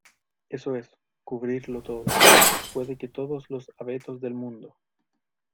eso es, cubrirlo todo. puede que todos los abetos del mundo